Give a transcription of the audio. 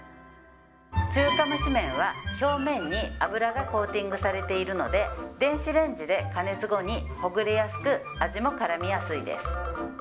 中華蒸し麺は、表面に油がコーティングされているので、電子レンジで加熱後にほぐれやすく、味もからみやすいです。